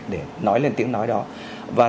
để nói lên tiếng nói đó và